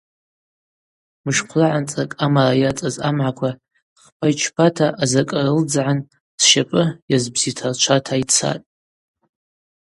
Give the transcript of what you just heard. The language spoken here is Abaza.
Мышхъвлагӏанцӏакӏ амара йацӏаз амгӏаква хпа йчпата азакӏы рылдзгӏан сщапӏы йазбзитарчвата йцатӏ.